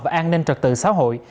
và an ninh trật tự xã hội